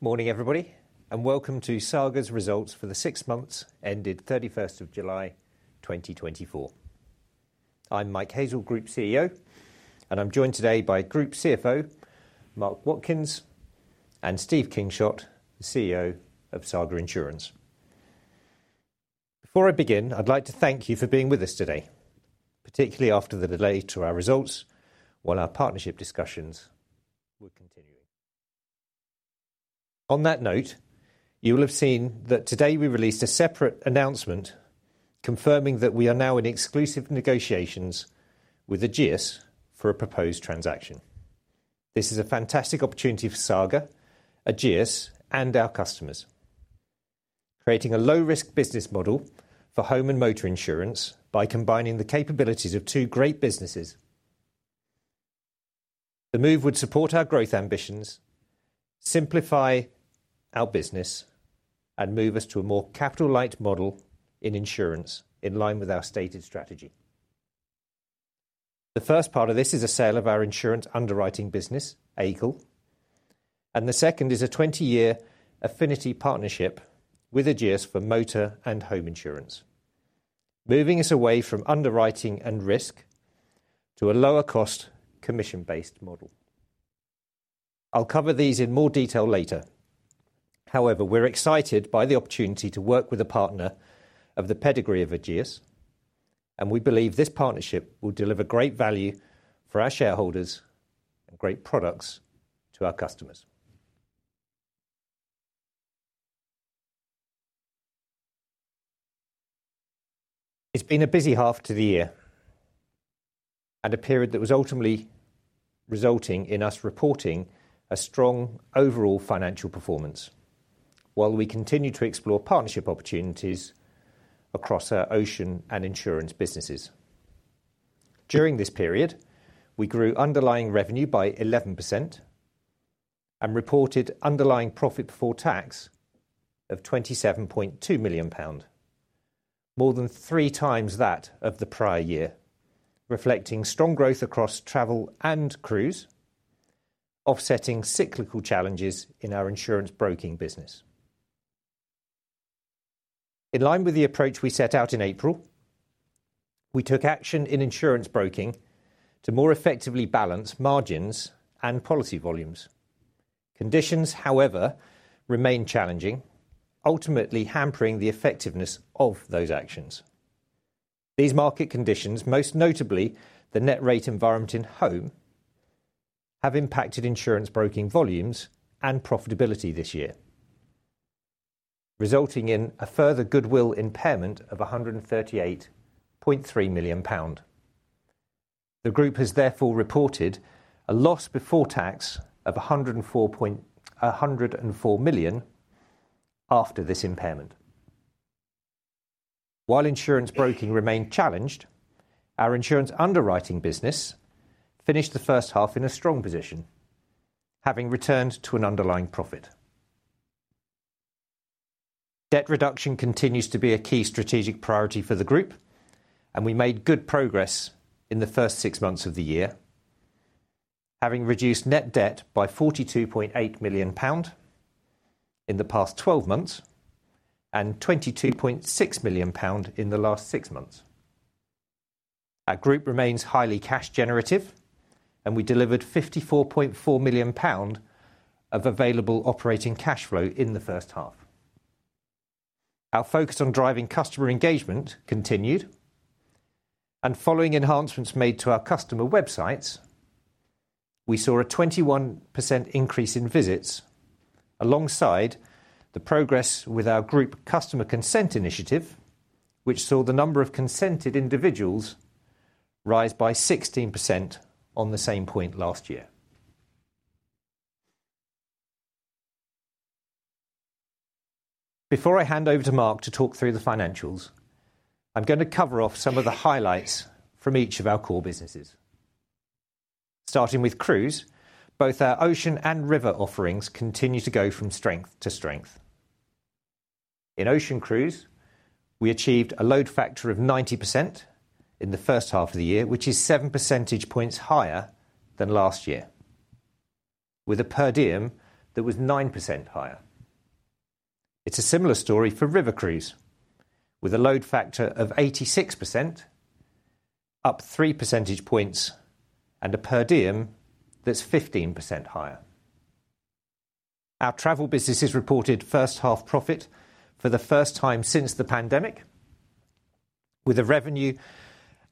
Morning, everybody, and welcome to Saga's results for the six months ended 31 July 2024. I'm Mike Hazell, Group CEO, and I'm joined today by Group CFO, Mark Watkins, and Steve Kingshott, the CEO of Saga Insurance. Before I begin, I'd like to thank you for being with us today, particularly after the delay to our results, while our partnership discussions were continuing. On that note, you will have seen that today we released a separate announcement confirming that we are now in exclusive negotiations with Ageas for a proposed transaction. This is a fantastic opportunity for Saga, Ageas, and our customers, creating a low-risk business model for home and motor insurance by combining the capabilities of two great businesses. The move would support our growth ambitions, simplify our business, and move us to a more capital-light model in insurance, in line with our stated strategy. The first part of this is a sale of our insurance underwriting business, AICL, and the second is a twenty-year affinity partnership with Ageas for motor and home insurance, moving us away from underwriting and risk to a lower-cost, commission-based model. I'll cover these in more detail later. However, we're excited by the opportunity to work with a partner of the pedigree of Ageas, and we believe this partnership will deliver great value for our shareholders and great products to our customers. It's been a busy half of the year and a period that was ultimately resulting in us reporting a strong overall financial performance, while we continued to explore partnership opportunities across our ocean and insurance businesses. During this period, we grew underlying revenue by 11% and reported underlying profit before tax of 27.2 million pounds, more than three times that of the prior year, reflecting strong growth across travel and cruise, offsetting cyclical challenges in our insurance broking business. In line with the approach we set out in April, we took action in insurance broking to more effectively balance margins and policy volumes. Conditions, however, remain challenging, ultimately hampering the effectiveness of those actions. These market conditions, most notably the net rate environment in home, have impacted insurance broking volumes and profitability this year, resulting in a further goodwill impairment of 138.3 million pounds. The group has therefore reported a loss before tax of 104 million pounds after this impairment. While insurance broking remained challenged, our insurance underwriting business finished the first half in a strong position, having returned to an underlying profit. Debt reduction continues to be a key strategic priority for the group, and we made good progress in the first six months of the year, having reduced net debt by 42.8 million GBP in the past twelve months and 22.6 million pound in the last six months. Our group remains highly cash generative, and we delivered 54.4 million pound of available operating cash flow in the first half. Our focus on driving customer engagement continued, and following enhancements made to our customer websites, we saw a 21% increase in visits alongside the progress with our group customer consent initiative, which saw the number of consented individuals rise by 16% on the same point last year. Before I hand over to Mark to talk through the financials, I'm gonna cover off some of the highlights from each of our core businesses. Starting with cruise, both our ocean and river offerings continue to go from strength to strength. In ocean cruise, we achieved a load factor of 90% in the first half of the year, which is seven percentage points higher than last year, with a per diem that was 9% higher. It's a similar story for river cruise, with a load factor of 86%, up three percentage points, and a per diem that's 15% higher. Our travel businesses reported first half profit for the first time since the pandemic, with the revenue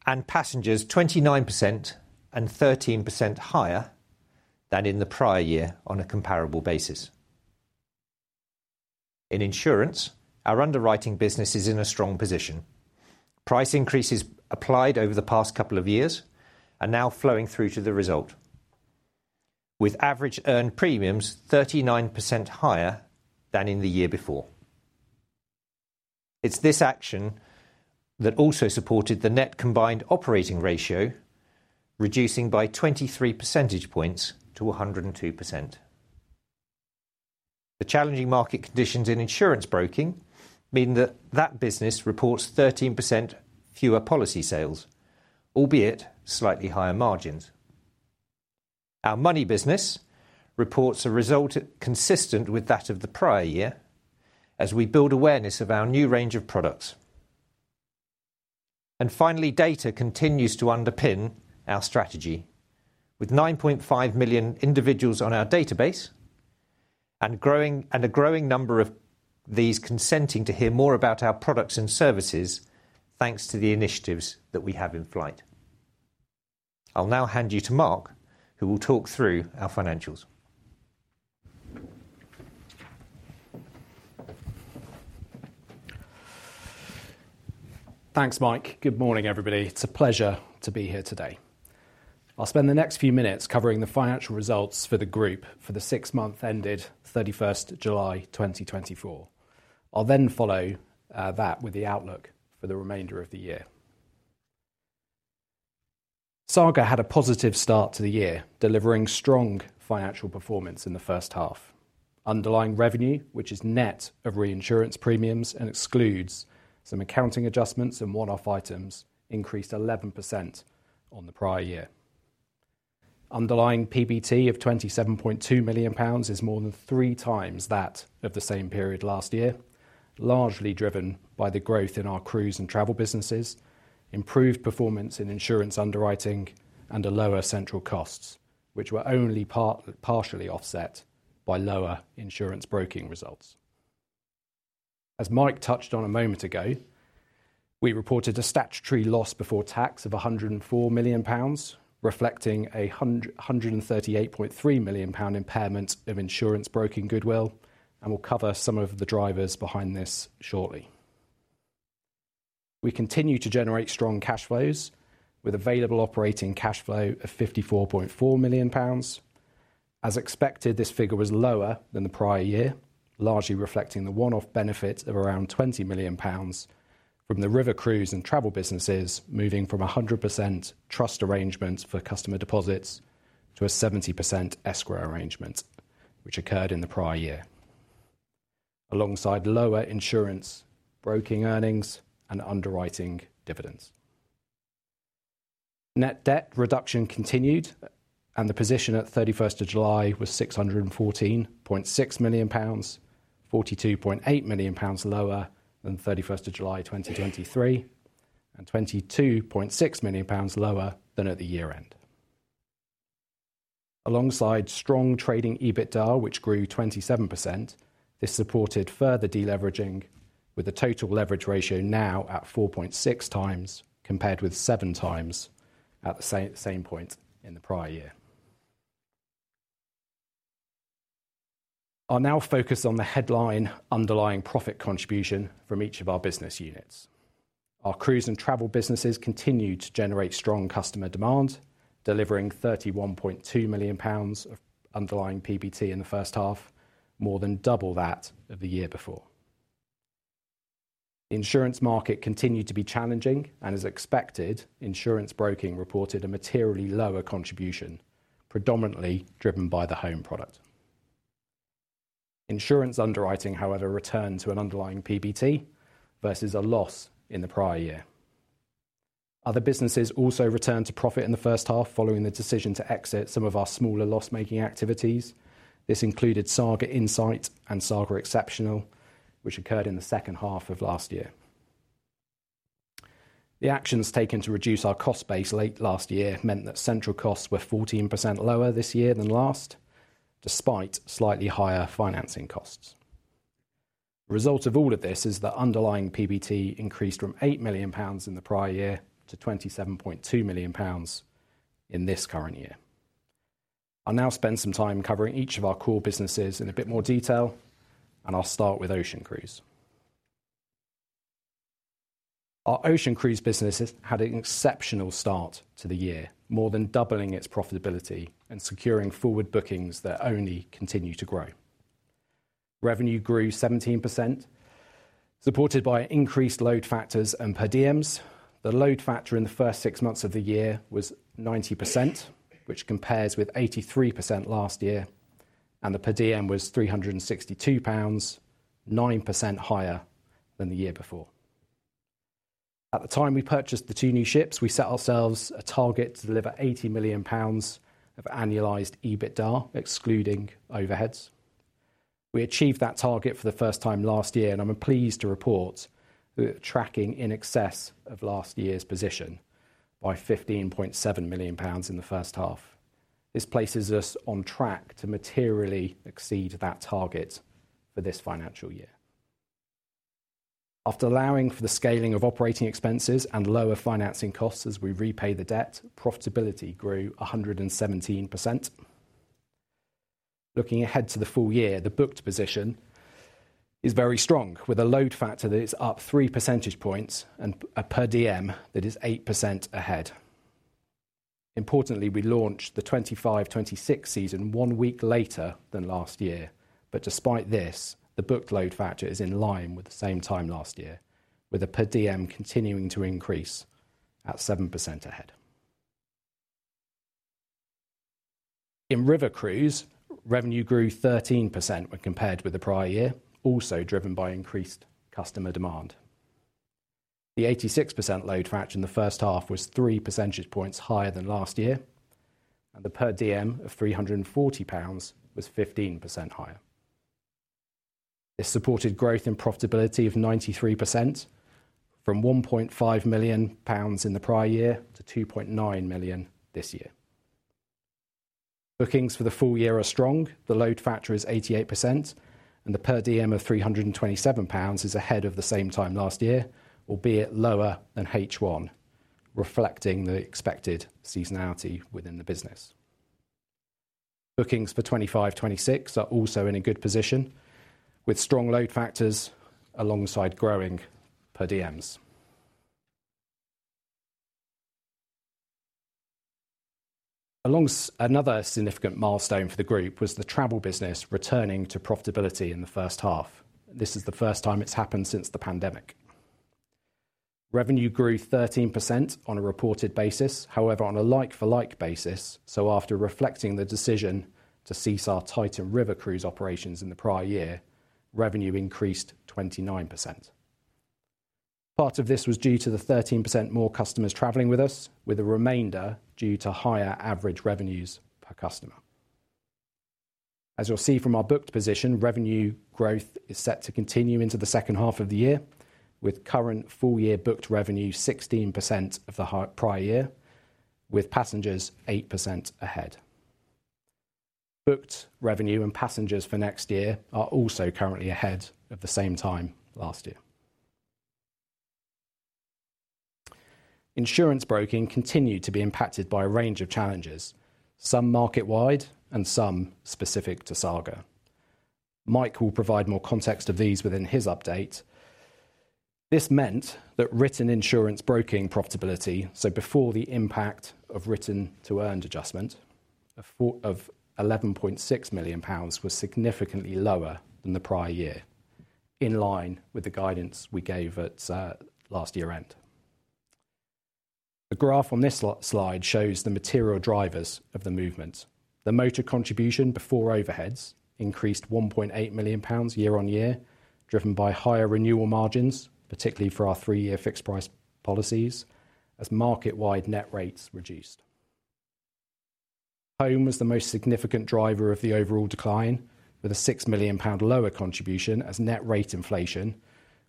and passengers 29% and 13% higher than in the prior year on a comparable basis. In insurance, our underwriting business is in a strong position. Price increases applied over the past couple of years are now flowing through to the result, with average earned premiums 39% higher than in the year before. It's this action that also supported the net combined operating ratio, reducing by 23 percentage points to 102%. The challenging market conditions in insurance broking mean that that business reports 13% fewer policy sales, albeit slightly higher margins. Our money business reports a result consistent with that of the prior year, as we build awareness of our new range of products. And finally, data continues to underpin our strategy, with 9.5 million individuals on our database and growing, and a growing number of these consenting to hear more about our products and services, thanks to the initiatives that we have in flight. I'll now hand you to Mark, who will talk through our financials. Thanks, Mike. Good morning, everybody. It's a pleasure to be here today. I'll spend the next few minutes covering the financial results for the group for the six month ended thirty-first July, 2024. I'll then follow that with the outlook for the remainder of the year. Saga had a positive start to the year, delivering strong financial performance in the first half. Underlying revenue, which is net of reinsurance premiums and excludes some accounting adjustments and one-off items, increased 11% on the prior year. Underlying PBT of 27.2 million pounds is more than 3x that of the same period last year, largely driven by the growth in our cruise and travel businesses, improved performance in insurance underwriting, and lower central costs, which were only partially offset by lower insurance broking results. As Mike touched on a moment ago, we reported a statutory loss before tax of 104 million pounds, reflecting a 138.3 million pound impairment of insurance broking goodwill, and we'll cover some of the drivers behind this shortly. We continue to generate strong cash flows, with available operating cash flow of 54.4 million pounds. As expected, this figure was lower than the prior year, largely reflecting the one-off benefit of around 20 million pounds from the river cruise and travel businesses, moving from a 100% trust arrangement for customer deposits to a 70% escrow arrangement, which occurred in the prior year, alongside lower insurance broking earnings and underwriting dividends. Net debt reduction continued, and the position at 31st of July was 614.6 million pounds, 42.8 million pounds lower than 31st of July 2023, and 22.6 million pounds lower than at the year-end. Alongside strong trading EBITDA, which grew 27%, this supported further deleveraging, with a total leverage ratio now at 4.6 times, compared with 7x at the same point in the prior year. I'll now focus on the headline underlying profit contribution from each of our business units. Our cruise and travel businesses continued to generate strong customer demand, delivering 31.2 million pounds of underlying PBT in the first half, more than double that of the year before. Insurance market continued to be challenging, and as expected, insurance broking reported a materially lower contribution, predominantly driven by the home product. Insurance underwriting, however, returned to an underlying PBT versus a loss in the prior year. Other businesses also returned to profit in the first half, following the decision to exit some of our smaller loss-making activities. This included Saga Insight and Saga Exceptional, which occurred in the second half of last year. The actions taken to reduce our cost base late last year meant that central costs were 14% lower this year than last, despite slightly higher financing costs. The result of all of this is that underlying PBT increased from 8 million pounds in the prior year to 27.2 million pounds in this current year. I'll now spend some time covering each of our core businesses in a bit more detail, and I'll start with Ocean Cruise. Our Ocean Cruise business has had an exceptional start to the year, more than doubling its profitability and securing forward bookings that only continue to grow. Revenue grew 17%, supported by increased load factors and per diems. The load factor in the first six months of the year was 90%, which compares with 83% last year, and the per diem was 362 pounds, 9% higher than the year before. At the time we purchased the two new ships, we set ourselves a target to deliver 80 million pounds of annualized EBITDA, excluding overheads. We achieved that target for the first time last year, and I'm pleased to report we're tracking in excess of last year's position by 15.7 million pounds in the first half. This places us on track to materially exceed that target for this financial year. After allowing for the scaling of operating expenses and lower financing costs as we repay the debt, profitability grew 117%. Looking ahead to the full year, the booked position is very strong, with a load factor that is up three percentage points and a per diem that is 8% ahead. Importantly, we launched the 2025-26 season one week later than last year, but despite this, the booked load factor is in line with the same time last year, with the per diem continuing to increase at 7% ahead.... In River Cruise, revenue grew 13% when compared with the prior year, also driven by increased customer demand. The 86% load factor in the first half was three percentage points higher than last year, and the per diem of 340 pounds was 15% higher. This supported growth and profitability of 93%, from 1.5 million pounds in the prior year to 2.9 million this year. Bookings for the full year are strong. The load factor is 88%, and the per diem of 327 pounds is ahead of the same time last year, albeit lower than H1, reflecting the expected seasonality within the business. Bookings for 2025, 2026 are also in a good position, with strong load factors alongside growing per diems. Another significant milestone for the group was the travel business returning to profitability in the first half. This is the first time it's happened since the pandemic. Revenue grew 13% on a reported basis. However, on a like-for-like basis, so after reflecting the decision to cease our Titan River Cruise operations in the prior year, revenue increased 29%. Part of this was due to 13% more customers traveling with us, with the remainder due to higher average revenues per customer. As you'll see from our booked position, revenue growth is set to continue into the second half of the year, with current full-year booked revenue 16% higher than prior year, with passengers 8% ahead. Booked revenue and passengers for next year are also currently ahead of the same time last year. Insurance broking continued to be impacted by a range of challenges, some market-wide and some specific to Saga. Mike will provide more context of these within his update. This meant that written insurance broking profitability, so before the impact of written to earned adjustment, of 11.6 million pounds, was significantly lower than the prior year, in line with the guidance we gave at last year-end. The graph on this slide shows the material drivers of the movement. The motor contribution before overheads increased 1.8 million pounds year on year, driven by higher renewal margins, particularly for our three-year fixed price policies, as market-wide net rates reduced. Home was the most significant driver of the overall decline, with a 6 million pound lower contribution as net rate inflation,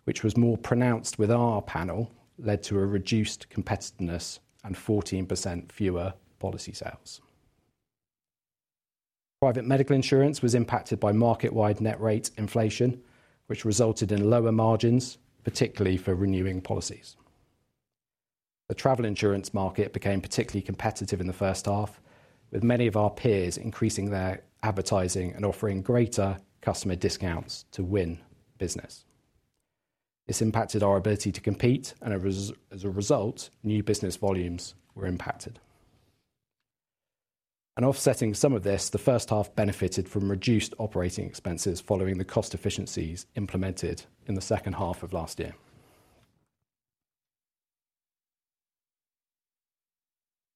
which was more pronounced with our panel, led to a reduced competitiveness and 14% fewer policy sales. Private medical insurance was impacted by market-wide net rate inflation, which resulted in lower margins, particularly for renewing policies. The travel insurance market became particularly competitive in the first half, with many of our peers increasing their advertising and offering greater customer discounts to win business. This impacted our ability to compete, and as a result, new business volumes were impacted. And offsetting some of this, the first half benefited from reduced operating expenses following the cost efficiencies implemented in the second half of last year.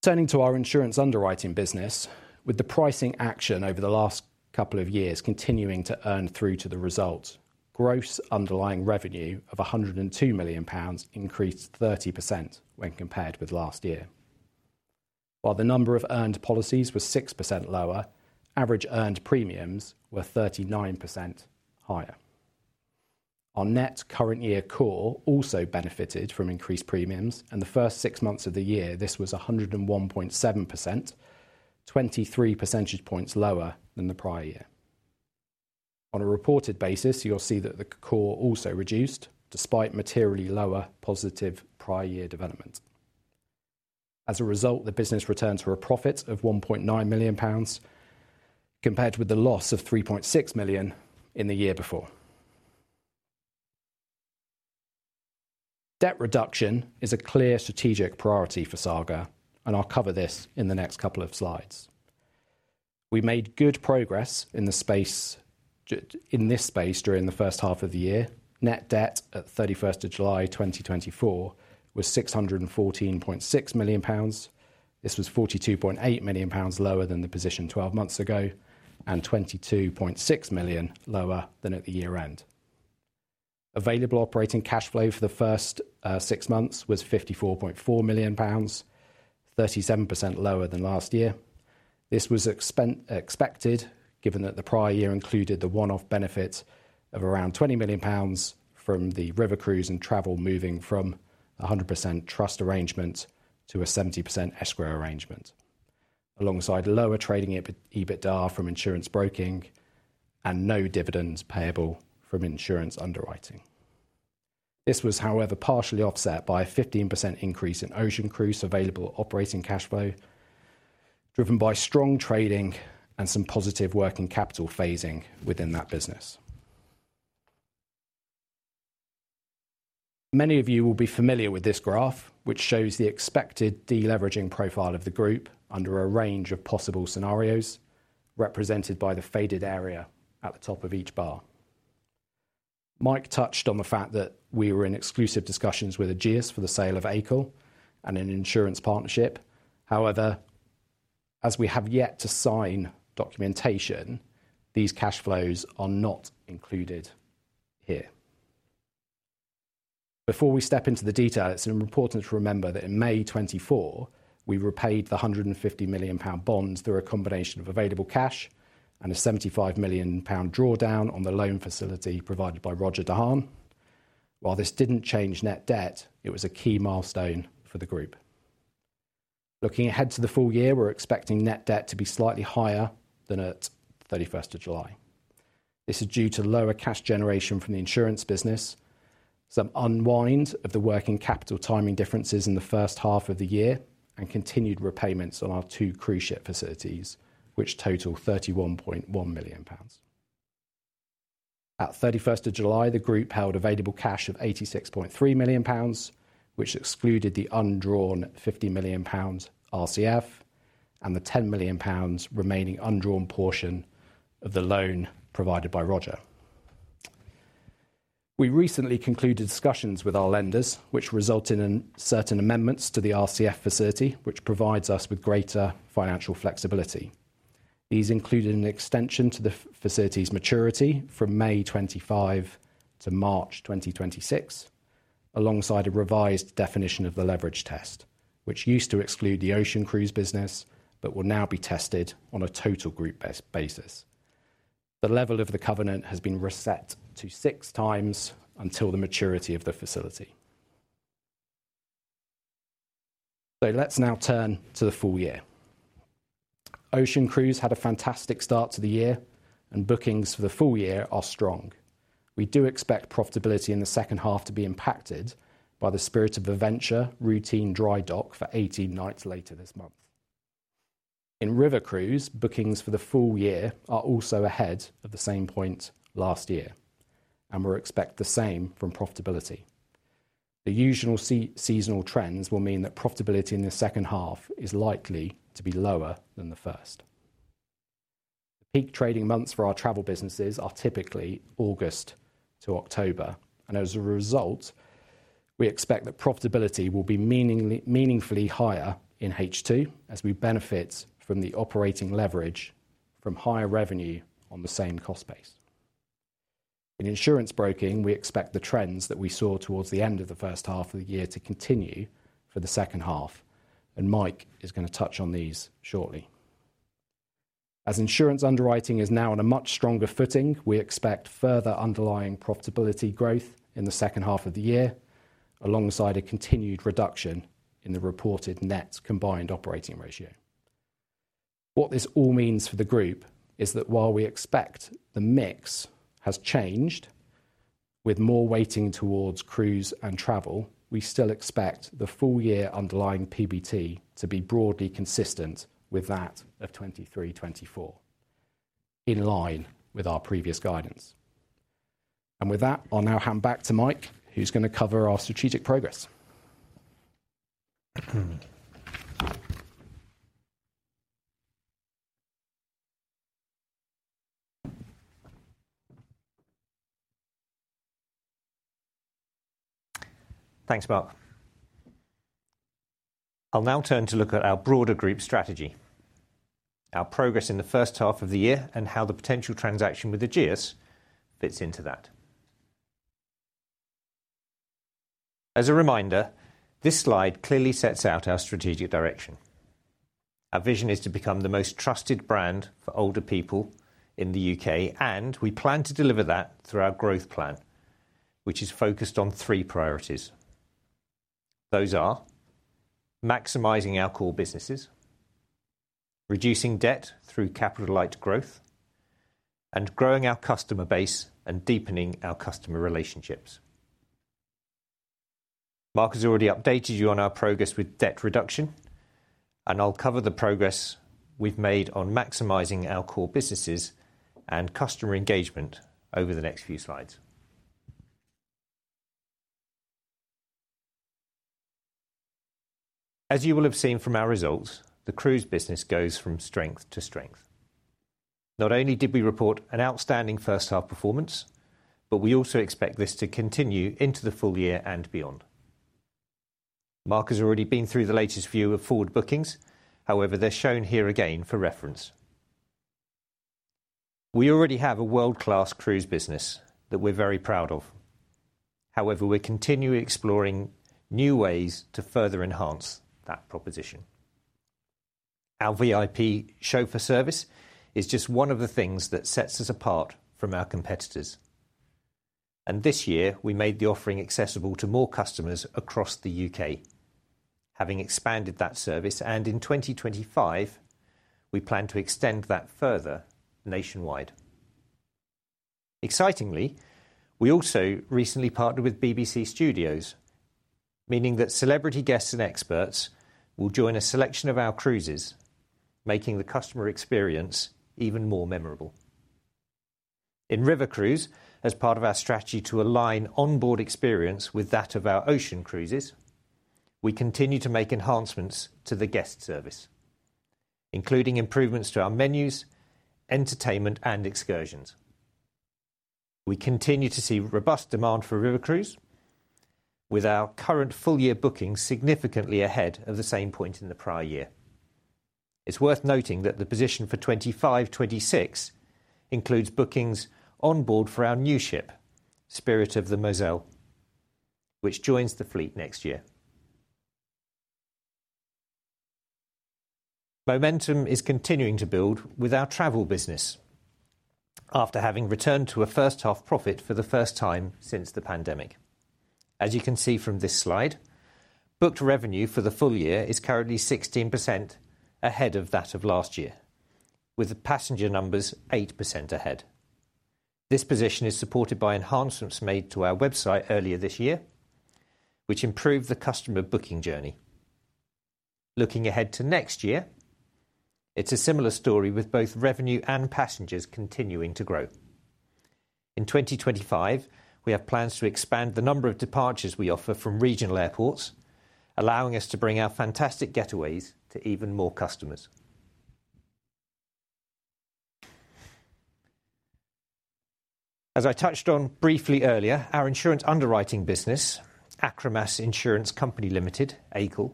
Turning to our insurance underwriting business, with the pricing action over the last couple of years continuing to earn through to the result, gross underlying revenue of 102 million pounds increased 30% when compared with last year. While the number of earned policies was 6% lower, average earned premiums were 39% higher. Our net current year COR also benefited from increased premiums, and the first six months of the year, this was 101.7%, 23 percentage points lower than the prior year. On a reported basis, you'll see that the COR also reduced, despite materially lower positive prior year development. As a result, the business returned to a profit of 1.9 million pounds, compared with the loss of 3.6 million in the year before. Debt reduction is a clear strategic priority for Saga, and I'll cover this in the next couple of slides. We made good progress in this space during the first half of the year. Net debt at 31 July 2024 was 614.6 million pounds. This was 42.8 million pounds lower than the position twelve months ago, and 22.6 million lower than at the year-end. Available operating cash flow for the first six months was 54.4 million pounds, 37% lower than last year. This was expected, given that the prior year included the one-off benefit of around 20 million pounds from the river cruise and travel moving from a 100% trust arrangement to a 70% escrow arrangement, alongside lower trading EBIT, EBITDA from insurance broking and no dividends payable from insurance underwriting. This was, however, partially offset by a 15% increase in ocean cruise available operating cash flow, driven by strong trading and some positive working capital phasing within that business. Many of you will be familiar with this graph, which shows the expected deleveraging profile of the group under a range of possible scenarios, represented by the faded area at the top of each bar. Mike touched on the fact that we were in exclusive discussions with Ageas for the sale of AICL and an insurance partnership. However, as we have yet to sign documentation, these cash flows are not included here. Before we step into the detail, it's important to remember that in May 2024, we repaid the 150 million pounds bond through a combination of available cash and a 75 million pound drawdown on the loan facility provided by Roger De Haan. While this didn't change net debt, it was a key milestone for the group. Looking ahead to the full year, we're expecting net debt to be slightly higher than at thirty-first of July. This is due to lower cash generation from the insurance business, some unwind of the working capital timing differences in the first half of the year, and continued repayments on our two cruise ship facilities, which total 31.1 million pounds. At 31st of July, the group held available cash of 86.3 million pounds, which excluded the undrawn 50 million pounds RCF and the 10 million pounds remaining undrawn portion of the loan provided by Roger. We recently concluded discussions with our lenders, which resulted in certain amendments to the RCF facility, which provides us with greater financial flexibility. These included an extension to the facility's maturity from May 2025 to March 2026, alongside a revised definition of the leverage test, which used to exclude the Ocean Cruise business but will now be tested on a total group basis. The level of the covenant has been reset to six times until the maturity of the facility. So let's now turn to the full year. Ocean Cruise had a fantastic start to the year, and bookings for the full year are strong. We do expect profitability in the second half to be impacted by the Spirit of Adventure Routine Dry dock for 18 nights later this month. In River Cruise, bookings for the full year are also ahead of the same point last year, and we expect the same from profitability. The usual seasonal trends will mean that profitability in the second half is likely to be lower than the first. Peak trading months for our travel businesses are typically August to October, and as a result, we expect that profitability will be meaningfully higher in H2 as we benefit from the operating leverage from higher revenue on the same cost base. In insurance broking, we expect the trends that we saw towards the end of the first half of the year to continue for the second half, and Mike is gonna touch on these shortly. As insurance underwriting is now on a much stronger footing, we expect further underlying profitability growth in the second half of the year, alongside a continued reduction in the reported net combined operating ratio. What this all means for the group is that while we expect the mix has changed, with more weighting towards cruise and travel, we still expect the full year underlying PBT to be broadly consistent with that of 2023, 2024, in line with our previous guidance. And with that, I'll now hand back to Mike, who's gonna cover our strategic progress. Thanks, Mark. I'll now turn to look at our broader group strategy, our progress in the first half of the year, and how the potential transaction with Ageas fits into that. As a reminder, this slide clearly sets out our strategic direction. Our vision is to become the most trusted brand for older people in the U.K., and we plan to deliver that through our growth plan, which is focused on three priorities. Those are: maximizing our core businesses, reducing debt through capital-light growth, and growing our customer base and deepening our customer relationships. Mark has already updated you on our progress with debt reduction, and I'll cover the progress we've made on maximizing our core businesses and customer engagement over the next few slides. As you will have seen from our results, the cruise business goes from strength to strength. Not only did we report an outstanding first half performance, but we also expect this to continue into the full year and beyond. Mark has already been through the latest view of forward bookings, however, they're shown here again for reference. We already have a world-class cruise business that we're very proud of. However, we're continually exploring new ways to further enhance that proposition. Our VIP Chauffeur Service is just one of the things that sets us apart from our competitors, and this year, we made the offering accessible to more customers across the U.K., having expanded that service, and in 2025, we plan to extend that further nationwide. Excitingly, we also recently partnered with BBC Studios, meaning that celebrity guests and experts will join a selection of our cruises, making the customer experience even more memorable. In River Cruise, as part of our strategy to align onboard experience with that of our ocean cruises, we continue to make enhancements to the guest service, including improvements to our menus, entertainment, and excursions. We continue to see robust demand for river cruise, with our current full-year bookings significantly ahead of the same point in the prior year. It's worth noting that the position for 2025, 2026 includes bookings on board for our new ship, Spirit of the Moselle, which joins the fleet next year. Momentum is continuing to build with our travel business, after having returned to a first half profit for the first time since the pandemic. As you can see from this slide, booked revenue for the full year is currently 16% ahead of that of last year, with the passenger numbers 8% ahead. This position is supported by enhancements made to our website earlier this year, which improved the customer booking journey. Looking ahead to next year, it's a similar story with both revenue and passengers continuing to grow. In twenty twenty-five, we have plans to expand the number of departures we offer from regional airports, allowing us to bring our fantastic getaways to even more customers. As I touched on briefly earlier, our insurance underwriting business, Acromas Insurance Company Limited, AICL,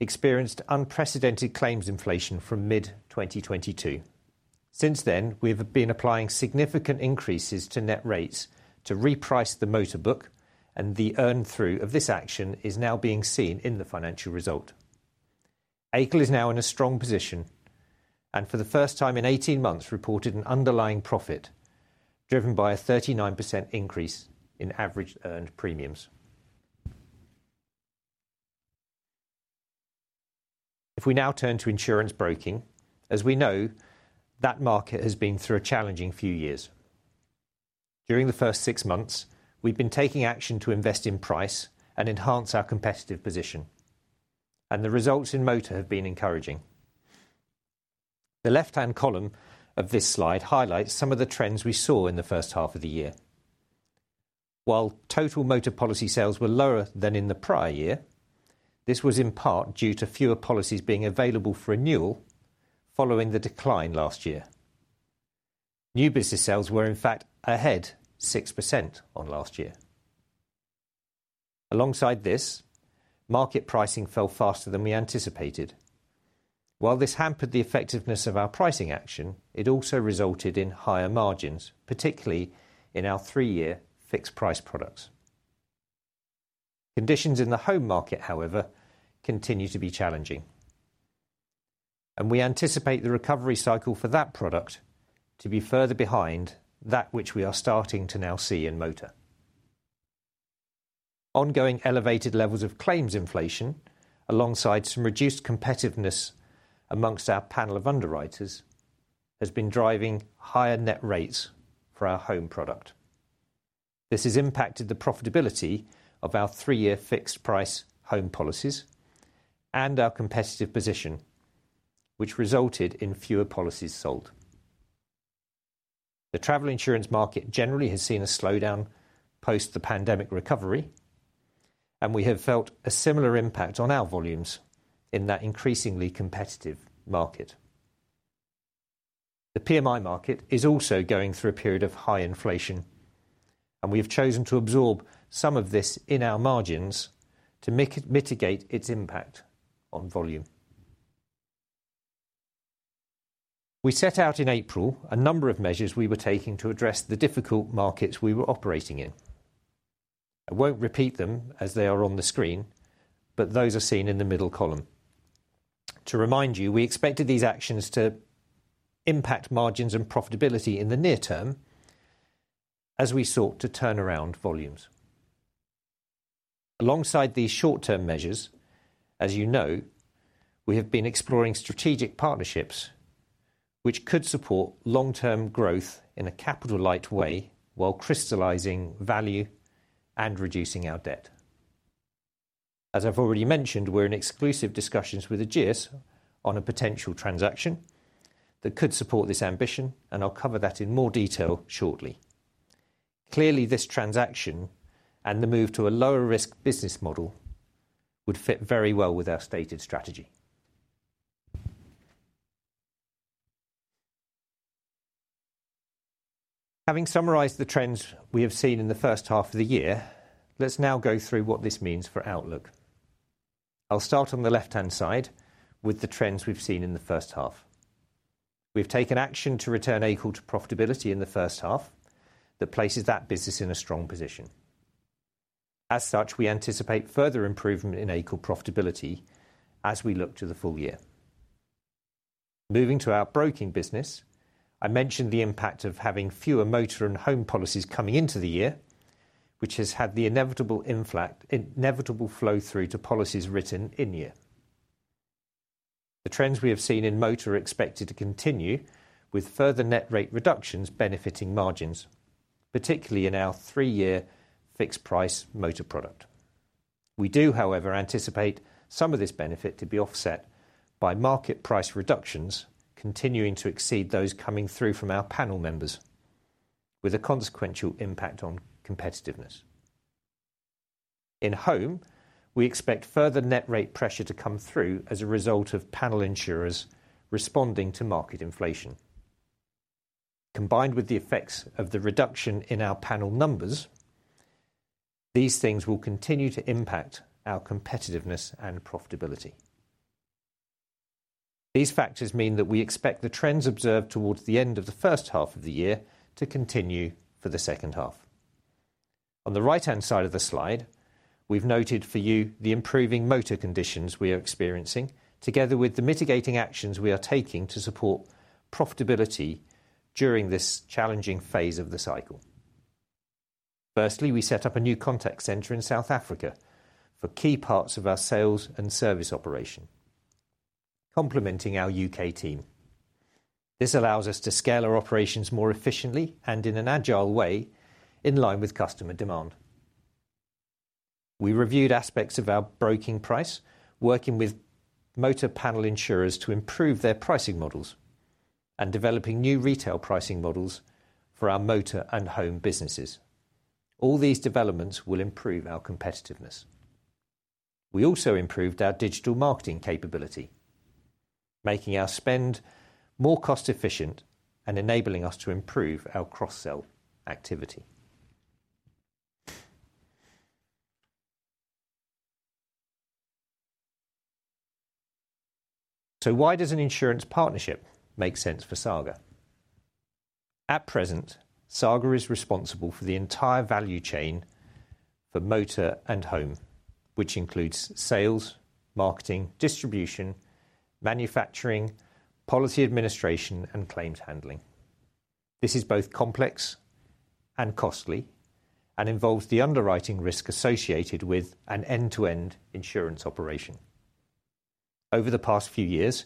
experienced unprecedented claims inflation from mid-twenty twenty-two. Since then, we've been applying significant increases to net rates to reprice the motor book, and the earn through of this action is now being seen in the financial result. AICL is now in a strong position, and for the first time in eighteen months, reported an underlying profit, driven by a 39% increase in average earned premiums. If we now turn to insurance broking, as we know, that market has been through a challenging few years. During the first six months, we've been taking action to invest in price and enhance our competitive position, and the results in motor have been encouraging. The left-hand column of this slide highlights some of the trends we saw in the first half of the year. While total motor policy sales were lower than in the prior year, this was in part due to fewer policies being available for renewal following the decline last year. New business sales were, in fact, ahead 6% on last year. Alongside this, market pricing fell faster than we anticipated. While this hampered the effectiveness of our pricing action, it also resulted in higher margins, particularly in our three-year fixed price products. Conditions in the home market, however, continue to be challenging, and we anticipate the recovery cycle for that product to be further behind that which we are starting to now see in motor. Ongoing elevated levels of claims inflation, alongside some reduced competitiveness among our panel of underwriters, has been driving higher net rates for our home product. This has impacted the profitability of our three-year fixed price home policies and our competitive position, which resulted in fewer policies sold. The travel insurance market generally has seen a slowdown post the pandemic recovery, and we have felt a similar impact on our volumes in that increasingly competitive market. The PMI market is also going through a period of high inflation, and we have chosen to absorb some of this in our margins to make it mitigate its impact on volume. We set out in April a number of measures we were taking to address the difficult markets we were operating in. I won't repeat them as they are on the screen, but those are seen in the middle column. To remind you, we expected these actions to impact margins and profitability in the near term as we sought to turn around volumes. Alongside these short-term measures, as you know, we have been exploring strategic partnerships which could support long-term growth in a capital-light way, while crystallizing value and reducing our debt. As I've already mentioned, we're in exclusive discussions with Ageas on a potential transaction that could support this ambition, and I'll cover that in more detail shortly. Clearly, this transaction and the move to a lower-risk business model would fit very well with our stated strategy. Having summarized the trends we have seen in the first half of the year, let's now go through what this means for outlook. I'll start on the left-hand side with the trends we've seen in the first half. We've taken action to return AICL to profitability in the first half that places that business in a strong position. As such, we anticipate further improvement in AICL profitability as we look to the full year. Moving to our broking business, I mentioned the impact of having fewer motor and home policies coming into the year, which has had the inevitable flow through to policies written in year. The trends we have seen in motor are expected to continue, with further net rate reductions benefiting margins, particularly in our three-year fixed price motor product. We do, however, anticipate some of this benefit to be offset by market price reductions, continuing to exceed those coming through from our panel members with a consequential impact on competitiveness. In home, we expect further net rate pressure to come through as a result of panel insurers responding to market inflation. Combined with the effects of the reduction in our panel numbers, these things will continue to impact our competitiveness and profitability. These factors mean that we expect the trends observed towards the end of the first half of the year to continue for the second half. On the right-hand side of the slide, we've noted for you the improving motor conditions we are experiencing, together with the mitigating actions we are taking to support profitability during this challenging phase of the cycle. Firstly, we set up a new contact center in South Africa for key parts of our sales and service operation, complementing our U.K. team. This allows us to scale our operations more efficiently and in an agile way, in line with customer demand. We reviewed aspects of our broking price, working with motor panel insurers to improve their pricing models and developing new retail pricing models for our motor and home businesses. All these developments will improve our competitiveness. We also improved our digital marketing capability, making our spend more cost-efficient and enabling us to improve our cross-sell activity. So why does an insurance partnership make sense for Saga? At present, Saga is responsible for the entire value chain for motor and home, which includes sales, marketing, distribution, manufacturing, policy administration, and claims handling. This is both complex and costly and involves the underwriting risk associated with an end-to-end insurance operation. Over the past few years,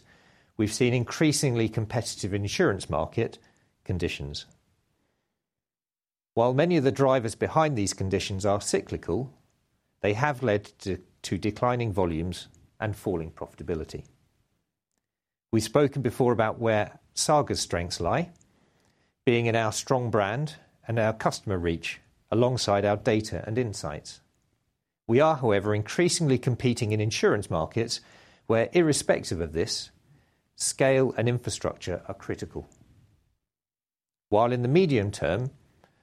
we've seen increasingly competitive insurance market conditions. While many of the drivers behind these conditions are cyclical, they have led to declining volumes and falling profitability. We've spoken before about where Saga's strengths lie, being in our strong brand and our customer reach, alongside our data and insights. We are, however, increasingly competing in insurance markets where, irrespective of this, scale and infrastructure are critical. While in the medium term,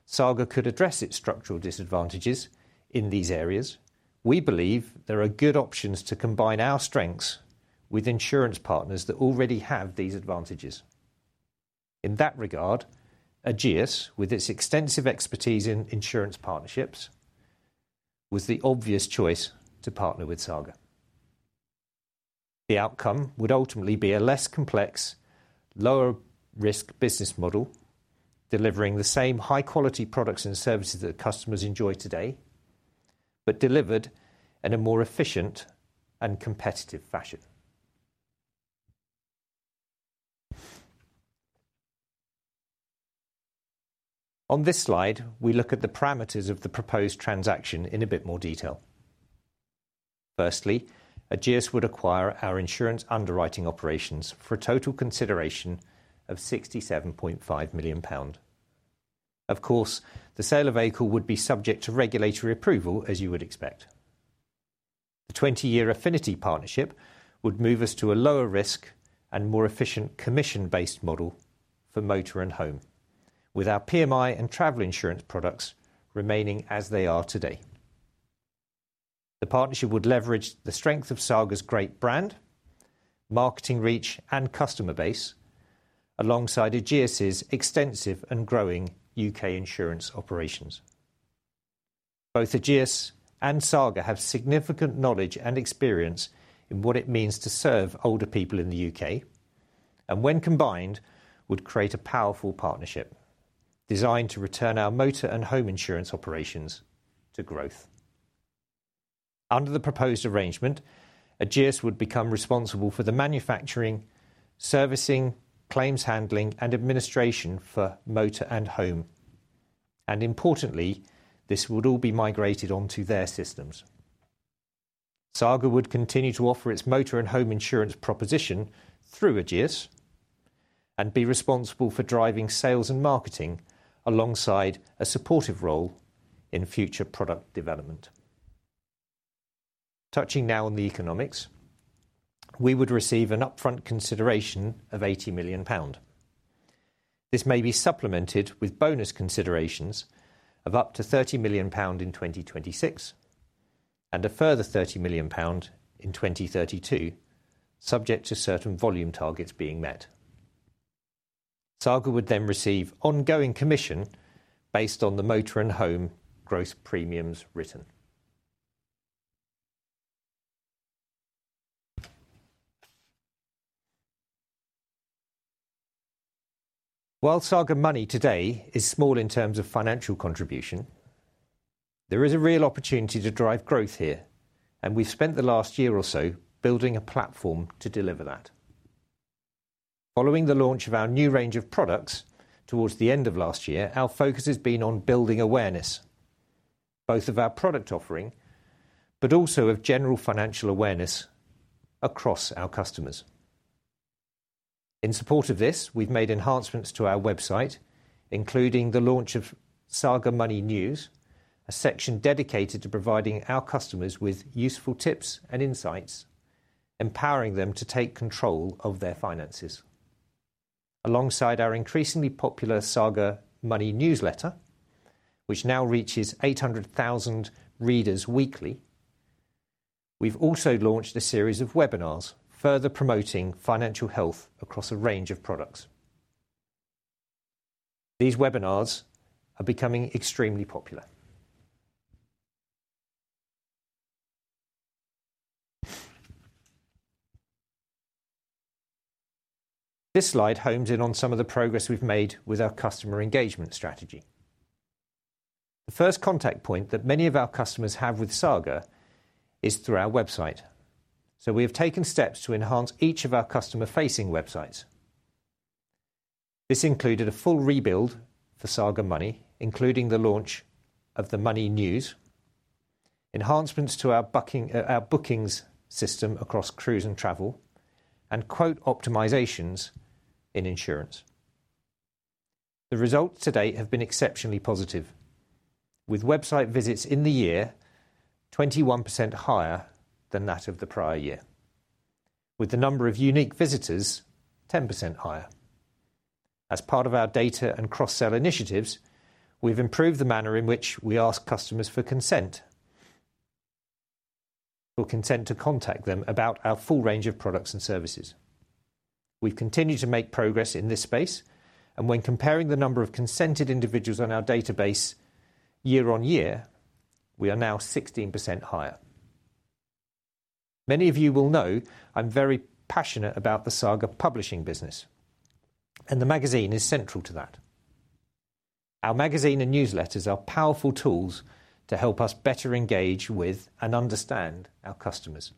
Saga could address its structural disadvantages in these areas, we believe there are good options to combine our strengths with insurance partners that already have these advantages. In that regard, Ageas, with its extensive expertise in insurance partnerships, was the obvious choice to partner with Saga. The outcome would ultimately be a less complex, lower-risk business model, delivering the same high-quality products and services that customers enjoy today, but delivered in a more efficient and competitive fashion. On this slide, we look at the parameters of the proposed transaction in a bit more detail. Firstly, Ageas would acquire our insurance underwriting operations for a total consideration of 67.5 million pound. Of course, the sale of AICL would be subject to regulatory approval, as you would expect. The twenty-year affinity partnership would move us to a lower risk and more efficient commission-based model for motor and home, with our PMI and travel insurance products remaining as they are today. The partnership would leverage the strength of Saga's great brand, marketing reach, and customer base, alongside Ageas' extensive and growing U.K. insurance operations. Both Ageas and Saga have significant knowledge and experience in what it means to serve older people in the UK and, when combined, would create a powerful partnership designed to return our motor and home insurance operations to growth. Under the proposed arrangement, Ageas would become responsible for the manufacturing, servicing, claims handling, and administration for motor and home. Importantly, this would all be migrated onto their systems. Saga would continue to offer its motor and home insurance proposition through Ageas and be responsible for driving sales and marketing alongside a supportive role in future product development. Touching now on the economics, we would receive an upfront consideration of 80 million pound. This may be supplemented with bonus considerations of up to 30 million pound in 2026, and a further 30 million pound in 2032, subject to certain volume targets being met. Saga would then receive ongoing commission based on the motor and home gross premiums written. While Saga Money today is small in terms of financial contribution, there is a real opportunity to drive growth here, and we've spent the last year or so building a platform to deliver that. Following the launch of our new range of products towards the end of last year, our focus has been on building awareness, both of our product offering but also of general financial awareness across our customers. In support of this, we've made enhancements to our website, including the launch of Saga Money News, a section dedicated to providing our customers with useful tips and insights, empowering them to take control of their finances. Alongside our increasingly popular Saga Money Newsletter, which now reaches 800,000 readers weekly, we've also launched a series of webinars, further promoting financial health across a range of products. These webinars are becoming extremely popular. This slide hones in on some of the progress we've made with our customer engagement strategy. The first contact point that many of our customers have with Saga is through our website, so we have taken steps to enhance each of our customer-facing websites. This included a full rebuild for Saga Money, including the launch of the Money News, enhancements to our booking, our bookings system across cruise and travel, and quote optimizations in insurance. The results to date have been exceptionally positive, with website visits in the year 21% higher than that of the prior year, with the number of unique visitors 10% higher. As part of our data and cross-sell initiatives, we've improved the manner in which we ask customers for consent. For consent to contact them about our full range of products and services. We've continued to make progress in this space, and when comparing the number of consented individuals on our database year on year, we are now 16% higher. Many of you will know I'm very passionate about the Saga publishing business, and the magazine is central to that. Our magazine and newsletters are powerful tools to help us better engage with and understand our customers.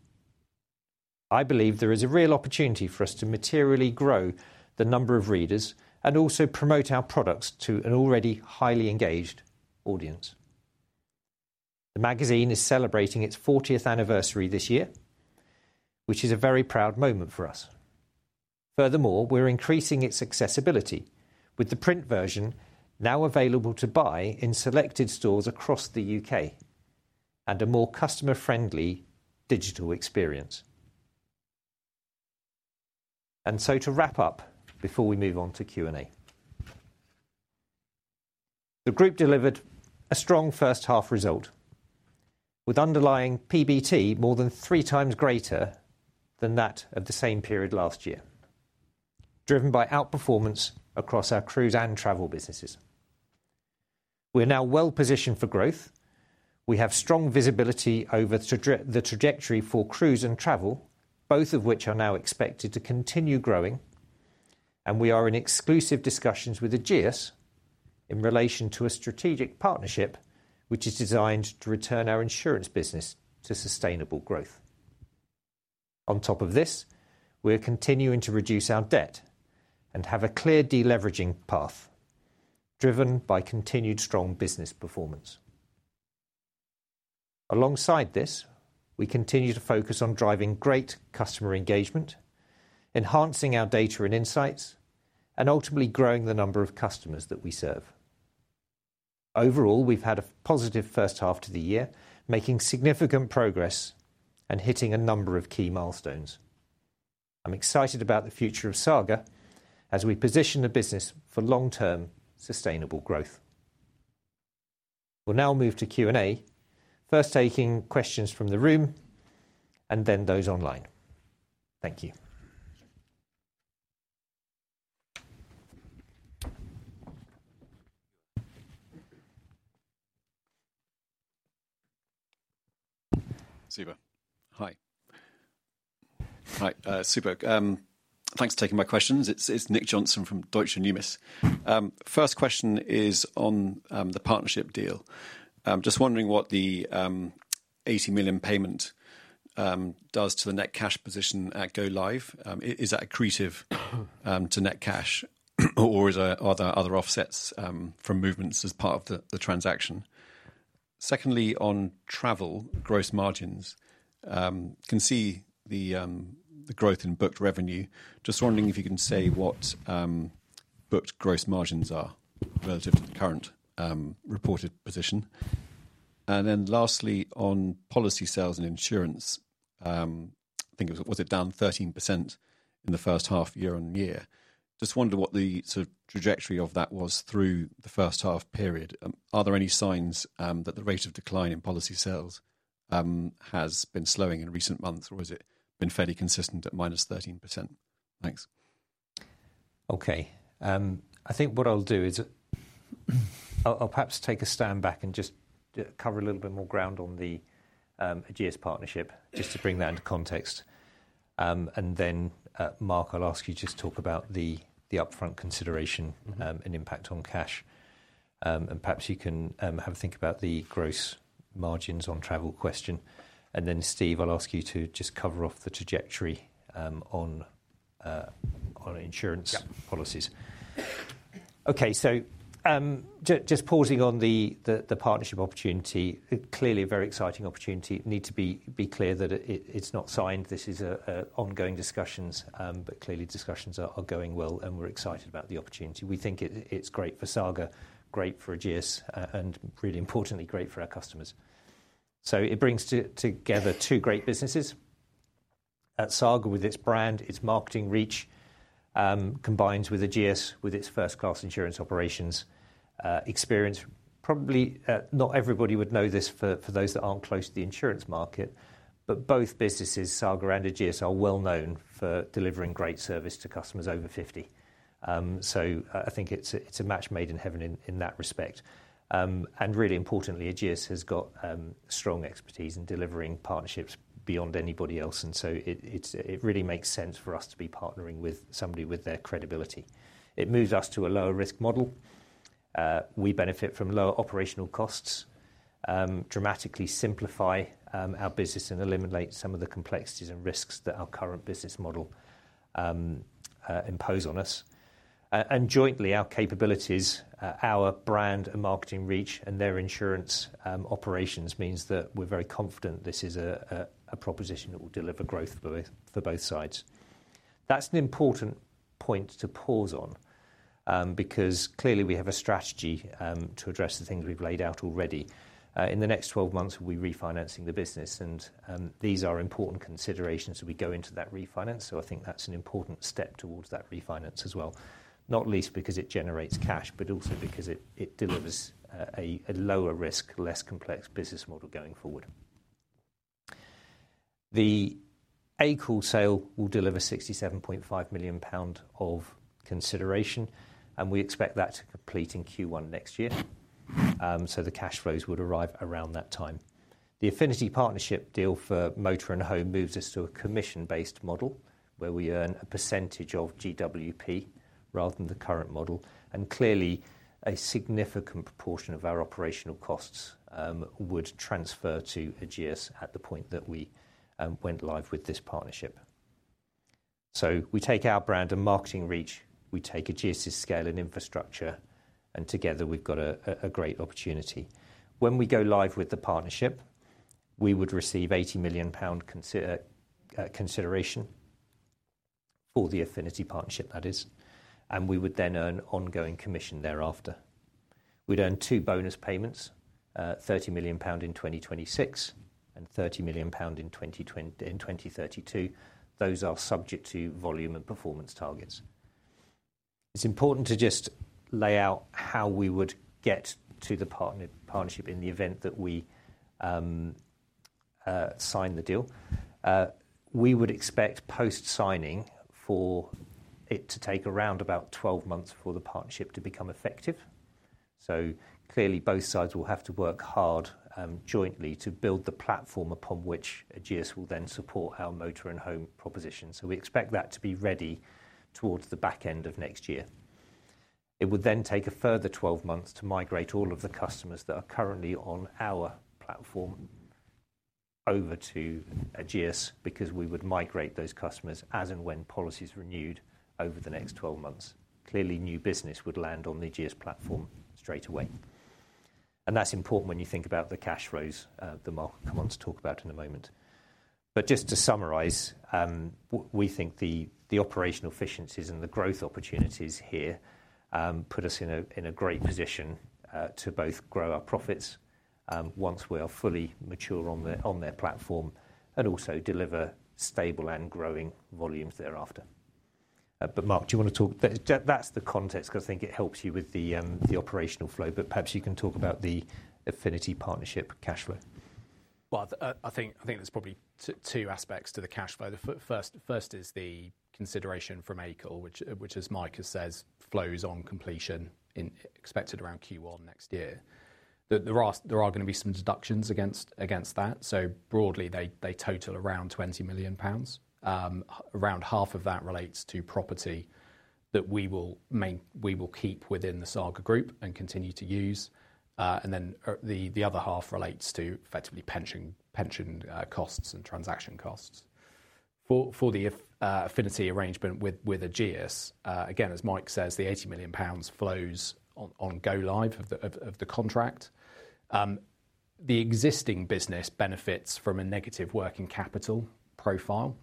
I believe there is a real opportunity for us to materially grow the number of readers and also promote our products to an already highly engaged audience. The magazine is celebrating its 40th anniversary this year, which is a very proud moment for us. Furthermore, we're increasing its accessibility with the print version now available to buy in selected stores across the UK and a more customer-friendly digital experience, and so to wrap up before we move on to Q&A. The group delivered a strong first half result, with underlying PBT more than three times greater than that of the same period last year, driven by outperformance across our cruise and travel businesses. We are now well positioned for growth. We have strong visibility over the trajectory for cruise and travel, both of which are now expected to continue growing, and we are in exclusive discussions with Ageas in relation to a strategic partnership, which is designed to return our insurance business to sustainable growth. On top of this, we're continuing to reduce our debt and have a clear deleveraging path, driven by continued strong business performance. Alongside this, we continue to focus on driving great customer engagement, enhancing our data and insights, and ultimately growing the number of customers that we serve. Overall, we've had a positive first half to the year, making significant progress and hitting a number of key milestones. I'm excited about the future of Saga as we position the business for long-term sustainable growth. We'll now move to Q&A, first taking questions from the room and then those online. Thank you. Suba, hi. Hi, Suba, thanks for taking my questions. It's Nick Johnson from Deutsche Numis. First question is on the partnership deal. Just wondering what the £80 million payment does to the net cash position at go live? Is that accretive to net cash, or is there other offsets from movements as part of the transaction? Secondly, on travel gross margins, can see the growth in booked revenue. Just wondering if you can say what booked gross margins are relative to the current reported position. And then lastly, on policy sales and insurance, I think it was down 13% in the first half year on year? Just wonder what the sort of trajectory of that was through the first half period. Are there any signs that the rate of decline in policy sales has been slowing in recent months, or has it been fairly consistent at minus 13%? Thanks. Okay, I think what I'll do is, I'll perhaps take a stand back and just cover a little bit more ground on the Ageas partnership, just to bring that into context. And then, Mark, I'll ask you just talk about the upfront consideration and impact on cash. And perhaps you can have a think about the gross margins on travel question. And then, Steve, I'll ask you to just cover off the trajectory on insurance- Yeah... policies. Okay, so, just pausing on the partnership opportunity, clearly a very exciting opportunity. Need to be clear that it, it's not signed. This is ongoing discussions, but clearly discussions are going well, and we're excited about the opportunity. We think it, it's great for Saga, great for Ageas, and really importantly, great for our customers. So it brings together two great businesses. At Saga with its brand, its marketing reach, combines with Ageas, with its first-class insurance operations, experience. Probably, not everybody would know this for those that aren't close to the insurance market, but both businesses, Saga and Ageas, are well-known for delivering great service to customers over fifty. So, I think it's a, it's a match made in heaven in that respect. And really importantly, Ageas has got strong expertise in delivering partnerships beyond anybody else, and so it really makes sense for us to be partnering with somebody with their credibility. It moves us to a lower-risk model. We benefit from lower operational costs, dramatically simplify our business and eliminate some of the complexities and risks that our current business model impose on us. And jointly, our capabilities, our brand and marketing reach, and their insurance operations means that we're very confident this is a proposition that will deliver growth for both sides. That's an important point to pause on, because clearly we have a strategy to address the things we've laid out already. In the next 12 months, we'll be refinancing the business, and these are important considerations as we go into that refinance, so I think that's an important step towards that refinance as well, not least because it generates cash, but also because it delivers a lower risk, less complex business model going forward. The AICL sale will deliver 67.5 million pound of consideration, and we expect that to complete in Q1 next year, so the cash flows would arrive around that time. The affinity partnership deal for motor and home moves us to a commission-based model, where we earn a percentage of GWP rather than the current model, and clearly, a significant proportion of our operational costs would transfer to Ageas at the point that we went live with this partnership. So we take our brand and marketing reach, we take Ageas' scale and infrastructure, and together we've got a great opportunity. When we go live with the partnership, we would receive 80 million pound consideration for the affinity partnership, that is, and we would then earn ongoing commission thereafter. We'd earn two bonus payments, 30 million pound in 2026 and 30 million pound in 2032. Those are subject to volume and performance targets. It's important to just lay out how we would get to the partnership in the event that we sign the deal. We would expect post-signing for it to take around about twelve months for the partnership to become effective. Clearly, both sides will have to work hard, jointly to build the platform upon which Ageas will then support our motor and home proposition. So we expect that to be ready towards the back end of next year. It would then take a further 12 months to migrate all of the customers that are currently on our platform over to Ageas, because we would migrate those customers as and when policies renewed over the next 12 months. Clearly, new business would land on the Ageas platform straight away, and that's important when you think about the cash flows that Mark will come on to talk about in a moment. But just to summarize, we think the operational efficiencies and the growth opportunities here put us in a great position to both grow our profits once we are fully mature on their platform, and also deliver stable and growing volumes thereafter. But Mark, do you want to talk... That's the context, 'cause I think it helps you with the operational flow, but perhaps you can talk about the Affinity Partnership cash flow. I think there's probably two aspects to the cash flow. The first is the consideration from AICL, which, as Mike has said, flows on completion expected around Q1 next year. There are gonna be some deductions against that, so broadly, they total around 20 million pounds. Around half of that relates to property that we will keep within the Saga group and continue to use. And then the other half relates to effectively pension costs and transaction costs. For the affinity arrangement with Ageas, again, as Mike says, the 80 million pounds flows on go live of the contract. The existing business benefits from a negative working capital profile,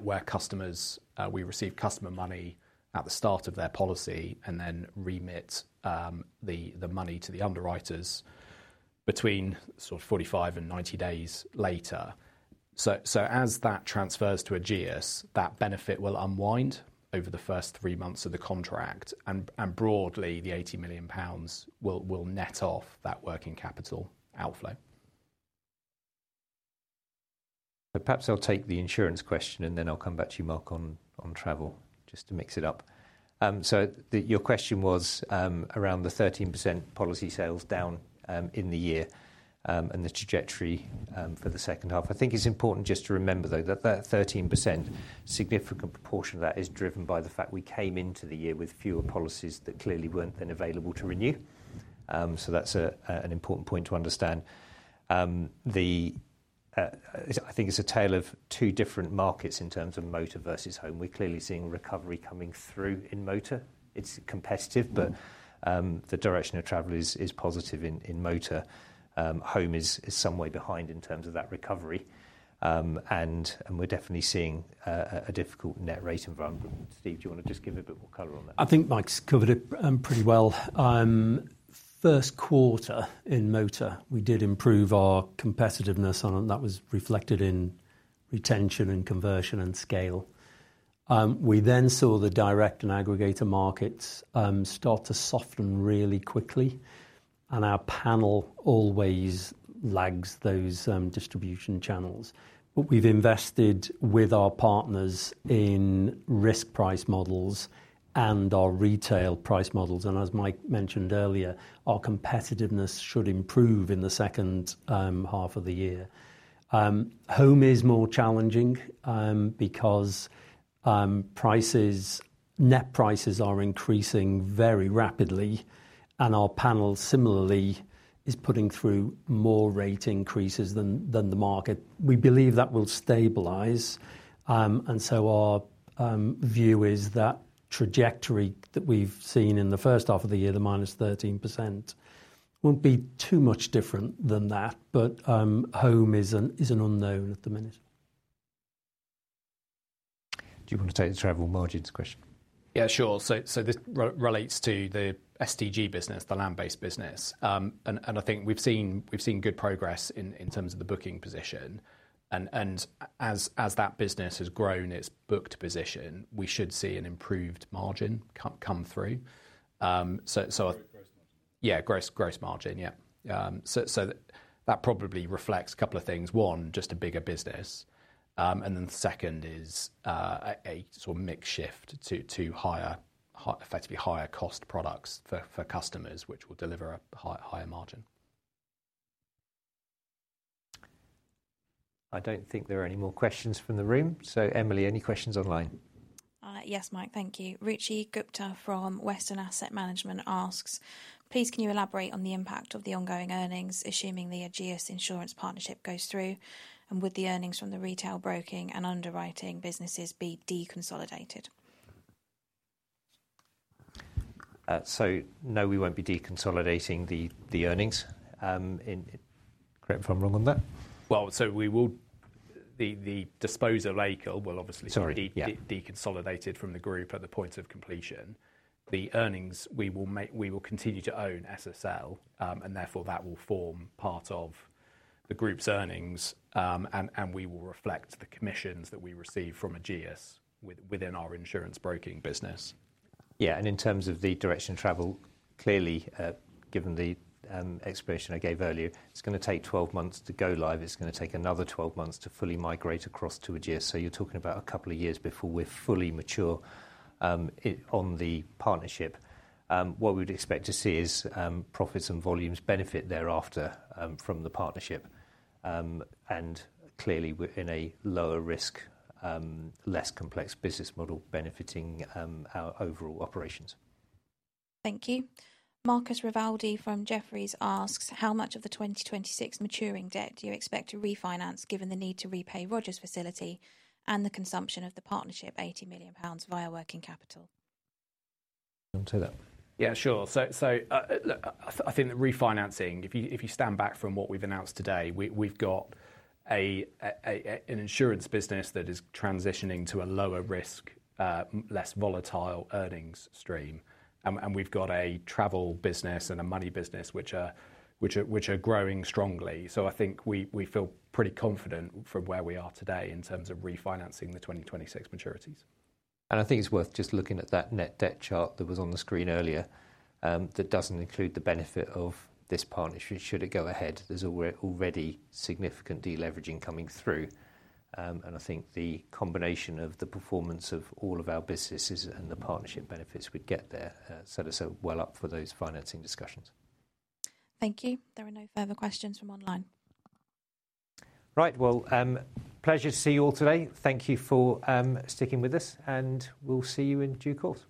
where customers... We receive customer money at the start of their policy and then remit the money to the underwriters between sort of 45 and 90 days later. As that transfers to Ageas, that benefit will unwind over the first three months of the contract, and broadly, the 80 million pounds will net off that working capital outflow. Perhaps I'll take the insurance question, and then I'll come back to you, Mark, on travel, just to mix it up. So your question was around the 13% policy sales down in the year and the trajectory for the second half. I think it's important just to remember, though, that that 13%, significant proportion of that is driven by the fact we came into the year with fewer policies that clearly weren't then available to renew. So that's an important point to understand. I think it's a tale of two different markets in terms of motor versus home. We're clearly seeing recovery coming through in motor. It's competitive, but the direction of travel is positive in motor. Home is some way behind in terms of that recovery. We're definitely seeing a difficult net rate environment. Steve, do you wanna just give a bit more color on that? I think Mike's covered it pretty well. First quarter in motor, we did improve our competitiveness, and that was reflected in retention and conversion and scale. We then saw the direct and aggregator markets start to soften really quickly, and our panel always lags those distribution channels. But we've invested with our partners in risk price models and our retail price models, and as Mike mentioned earlier, our competitiveness should improve in the second half of the year. Home is more challenging because prices, net prices are increasing very rapidly, and our panel similarly is putting through more rate increases than the market. We believe that will stabilize. And so our view is that trajectory that we've seen in the first half of the year, the -13%, won't be too much different than that, but home is an unknown at the minute. Do you want to take the travel margins question? Yeah, sure. So this relates to the SDG business, the land-based business. I think we've seen good progress in terms of the booking position. As that business has grown its booked position, we should see an improved margin come through. Gross margin. Yeah, gross margin, yeah. So that probably reflects a couple of things. One, just a bigger business. And then second is a sort of mix shift to higher, effectively higher cost products for customers, which will deliver higher margin. I don't think there are any more questions from the room. So Emily, any questions online? Yes, Mike, thank you. Ruchi Gupta from Western Asset Management asks, "Please, can you elaborate on the impact of the ongoing earnings, assuming the Ageas insurance partnership goes through, and would the earnings from the retail broking and underwriting businesses be deconsolidated? So, no, we won't be deconsolidating the earnings in... Correct me if I'm wrong on that. We will, the disposal, AICL will obviously- Sorry, yeah... be deconsolidated from the group at the point of completion. The earnings, we will continue to own SSL, and therefore, that will form part of the group's earnings. And we will reflect the commissions that we receive from Ageas within our insurance broking business. Yeah, and in terms of the direction of travel, clearly, given the explanation I gave earlier, it's gonna take 12 months to go live. It's gonna take another 12 months to fully migrate across to Ageas. So you're talking about a couple of years before we're fully mature on the partnership. What we'd expect to see is profits and volumes benefit thereafter from the partnership. And clearly, we're in a lower risk, less complex business model benefiting our overall operations. Thank you. Marcus Rivaldi from Jefferies asks, "How much of the 2026 maturing debt do you expect to refinance, given the need to repay Roger's facility and the consummation of the partnership, 80 million pounds via working capital? Do you want to that? Yeah, sure. So, look, I think the refinancing, if you stand back from what we've announced today, we've got an insurance business that is transitioning to a lower risk, less volatile earnings stream. And we've got a travel business and a money business which are growing strongly. So I think we feel pretty confident from where we are today in terms of refinancing the 2026 maturities. I think it's worth just looking at that net debt chart that was on the screen earlier. That doesn't include the benefit of this partnership, should it go ahead. There's already significant deleveraging coming through, and I think the combination of the performance of all of our businesses and the partnership benefits we'd get there set us up well for those financing discussions. Thank you. There are no further questions from online. Right, well, pleasure to see you all today. Thank you for sticking with us, and we'll see you in due course.